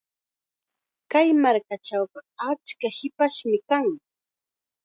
Kay markachawqa achka hipashmi kan.